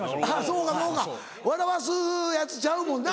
そうかそうか笑わすやつちゃうもんな。